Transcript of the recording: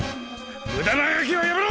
無駄なあがきはやめろ！